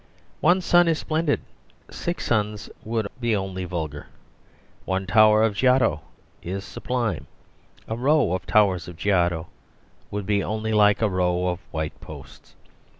One sun is splendid; six suns would be only vulgar. One Tower Of Giotto is sublime; a row of Towers of Giotto would be only like a row of white posts.